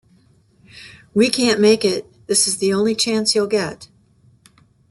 We can't make it, this is the only chance you'll get.